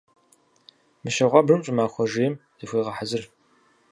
Мыщэ гъуабжэм щӀымахуэ жейм зыхуегъэхьэзыр.